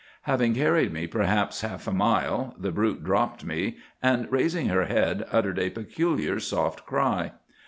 "'Having carried me perhaps half a mile, the brute dropped me, and raising her head uttered a peculiar, soft cry.